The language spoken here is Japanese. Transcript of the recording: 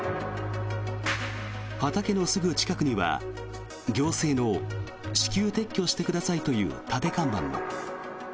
畑のすぐ近くには、行政の至急、撤去してくださいという立て看板も。